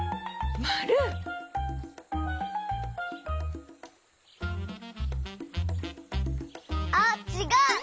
まる！あっちがう！